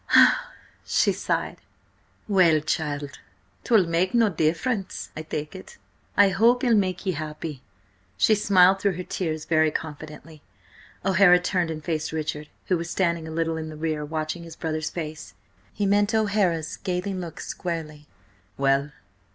she sighed. "Well, child, 'twill make no difference, I take it. I hope he'll make ye happy." She smiled through her tears very confidently. O'Hara turned and faced Richard, who was standing a little in the rear, watching his brother's face. He met O'Hara's scathing look squarely. "Well?"